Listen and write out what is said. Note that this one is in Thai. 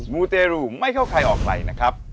มูเตรูไม่เข้าใครออกใครนะครับ